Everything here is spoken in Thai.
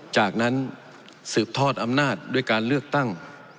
จากนั้นสืบทอดอำนาจด้วยการเลือกตั้ง